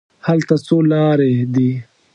هلته څو لارې دي.